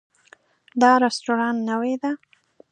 دا رستورانت نوی ده